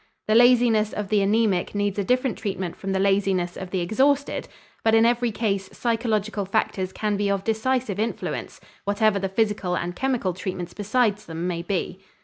The laziness of the anæmic needs a different treatment from the laziness of the exhausted but in every case psychological factors can be of decisive influence, whatever the physical and chemical treatment besides them may be.